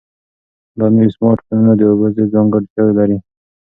دا نوي سمارټ فونونه د اوبو ضد ځانګړتیاوې لري.